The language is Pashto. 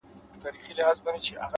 خپل هدفونه روښانه تعریف کړئ